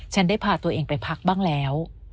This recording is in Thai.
ได้พาตัวเองไปพักบ้างแล้ว